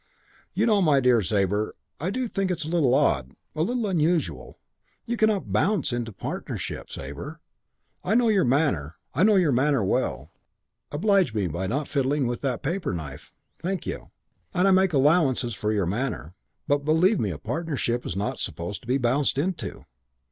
"You know, my dear Sabre, I do think this is a little odd. A little unusual. You cannot bounce into a partnership, Sabre. I know your manner. I know your manner well. Oblige me by not fiddling with that paper knife. Thank you. And I make allowances for your manner. But believe me a partnership is not to be bounced into.